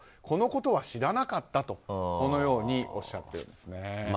このことは知らなかったとおっしゃっていますね。